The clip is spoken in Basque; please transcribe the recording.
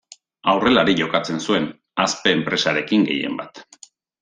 Aurrelari jokatzen zuen, Aspe enpresarekin gehienbat.